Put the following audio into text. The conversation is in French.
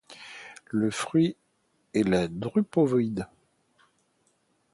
Le fruit est une drupe ovoïde.